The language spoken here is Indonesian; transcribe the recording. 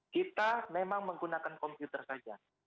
kita memang menggunakan komputer saja